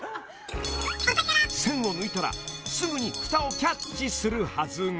［栓を抜いたらすぐにふたをキャッチするはずが］